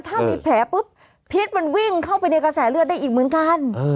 ถ้ามีแผลปุ๊บพิษมันวิ่งเข้าไปในกระแสเลือดได้อีกเหมือนกัน